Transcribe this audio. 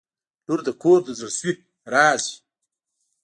• لور د کور د زړسوي راز وي.